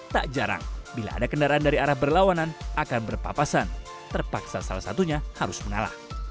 tak jarang bila ada kendaraan dari arah berlawanan akan berpapasan terpaksa salah satunya harus mengalah